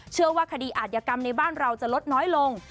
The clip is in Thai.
เชื่อว่าคดีอาจยกรรมในบ้านเราจะลดน้อยลง